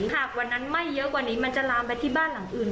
หากวันนั้นไหม้เยอะกว่านี้มันจะลามไปที่บ้านหลังอื่น